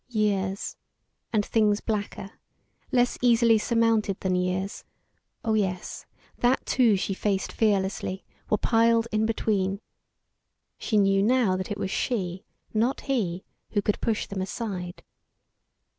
Years, and things blacker, less easily surmounted than years oh yes, that too she faced fearlessly were piled in between. She knew now that it was she not he who could push them aside.